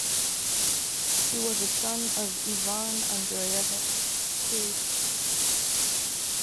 He was a son of Ivan Andreyevich Shuisky.